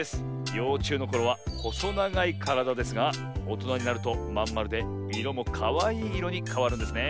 ようちゅうのころはほそながいからだですがおとなになるとまんまるでいろもかわいいいろにかわるんですね。